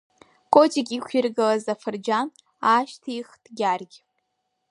Котик иқәиргылаз афырџьан аашьҭихт Гьаргь.